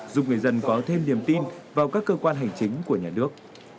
giúp người dân có thêm niềm tin vào các cơ quan hành chính của nhà nước